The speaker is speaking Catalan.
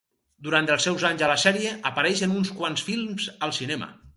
Durant els seus anys a la sèrie, apareix en uns quants films al cinema.